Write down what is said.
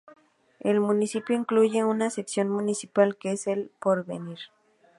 El municipio incluye una sección municipal, que es: El Porvenir.